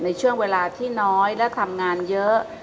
ในช่วงเวลาที่น้อยและทำงานเยอะ